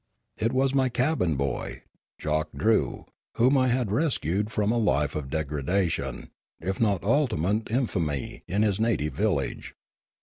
It was my cabin boy, Jock Drew, whom I had rescued from a life of degradation, if not ultimate in famy, in his native village.